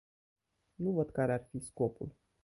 Nu văd care ar fi scopul.